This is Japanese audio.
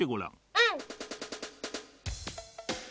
うん。